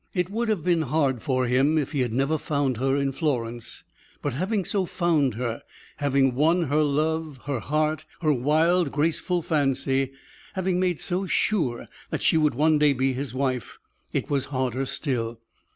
It would have been hard for him if he had never found her in Florence; but having so found her, having won her love, her heart, her wild, graceful fancy, having made so sure that she would one day be his wife, it was harder still.